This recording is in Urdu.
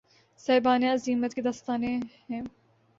صاحبان عزیمت کی داستانیں ہیں